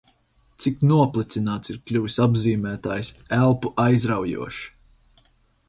Cik noplicināts ir kļuvis apzīmētājs "elpu aizraujošs"!